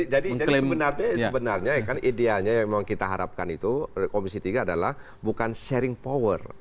jadi sebenarnya kan idealnya yang memang kita harapkan itu komisi tiga adalah bukan sharing power